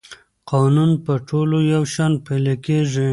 قانون په ټولو یو شان پلی کېږي.